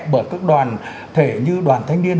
bởi các đoàn thể như đoàn thanh niên